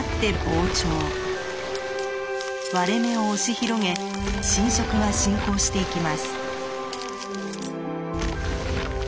割れ目を押し広げ浸食が進行していきます。